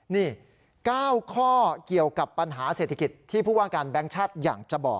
นี่๙ข้อเกี่ยวกับปัญหาเศรษฐกิจที่ผู้ว่าการแบงค์ชาติอยากจะบอก